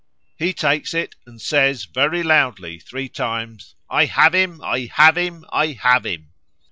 He takes it, and says, very loudly three times, 'I have him, I have him, I have him.'